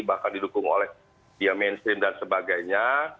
bahkan didukung oleh dia mainstream dan sebagainya